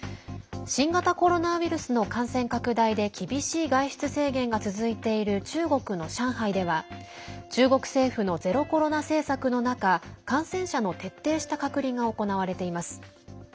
新型コロナウイルスの感染拡大で厳しい外出制限が続いている中国の上海では中国政府のゼロコロナ政策の中感染者の徹底した隔離が行われています。